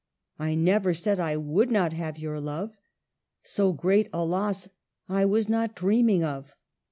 I never said I would not have your love ; So great a loss I was not dreaming of.